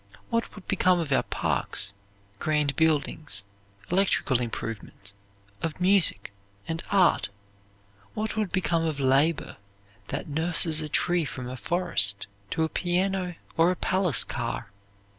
What would become of our parks, grand buildings, electrical improvements; of music and art? What would become of labor that nurses a tree from a forest to a piano or a palace car?